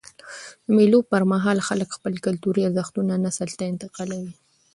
د مېلو پر مهال خلک خپل کلتوري ارزښتونه نسل ته انتقالوي.